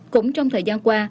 cũng trong thời gian qua